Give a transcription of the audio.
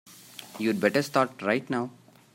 You'd better start right now.